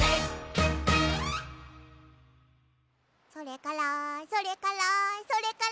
「それからそれからそれから」